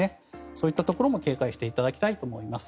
そういったところも警戒していただきたいと思います。